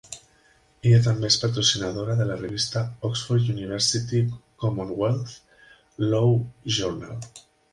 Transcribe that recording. Ella també és patrocinadora de la revista "Oxford University Commonwealth Law Journal".